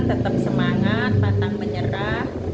tetap semangat pantang menyerah